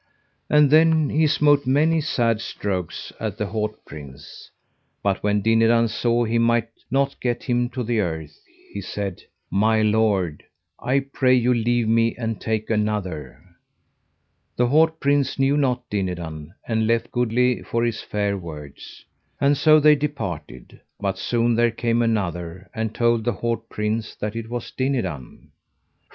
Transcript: And then he smote many sad strokes at the haut prince; but when Dinadan saw he might not get him to the earth he said: My lord, I pray you leave me, and take another. The haut prince knew not Dinadan, and left goodly for his fair words. And so they departed; but soon there came another and told the haut prince that it was Dinadan.